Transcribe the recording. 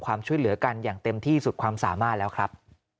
ความช่วยเหลือกันอย่างเต็มที่สุดความสามารถแล้วครับ